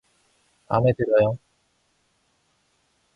마음에 들어요.